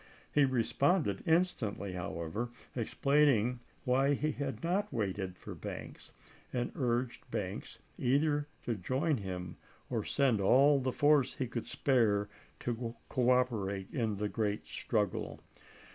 He responded instantly, however, explaining why he had not waited for Banks, and urged Banks either to join him or send all the force he could spare to cooperate in the great struggle.